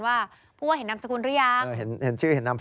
ว่าเห็นชื่อหรือยัง